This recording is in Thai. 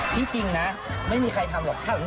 ที่จริงนะไม่มีใครทำหรอกครับ